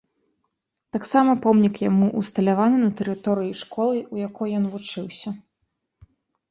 Таксама помнік яму ўсталяваны на тэрыторыі школы, у якой ён вучыўся.